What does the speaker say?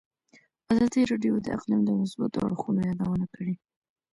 ازادي راډیو د اقلیم د مثبتو اړخونو یادونه کړې.